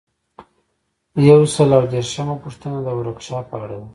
یو سل او دیرشمه پوښتنه د ورکشاپ په اړه ده.